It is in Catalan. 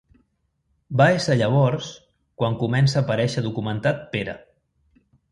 Va ésser llavors quan comença a aparèixer documentat Pere.